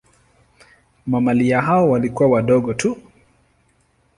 Mamalia hao walikuwa wadogo tu.